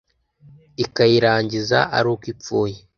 ikayirangiza ari uko ipfuye.